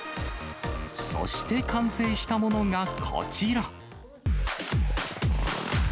そして完成したものがこちら。